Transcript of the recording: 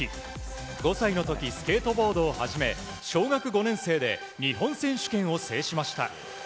５歳の時スケートボードを始め小学５年生で日本選手権を制しました。